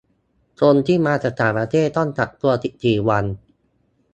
คนที่มาจากต่างประเทศต้องกักตัวสิบสี่วัน